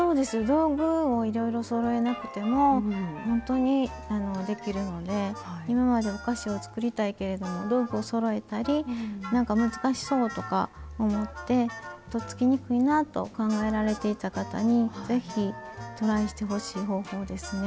道具をいろいろそろえなくてもほんとにあのできるので今までお菓子をつくりたいけれども道具をそろえたり何か難しそうとか思ってとっつきにくいなぁと考えられていた方に是非トライしてほしい方法ですね。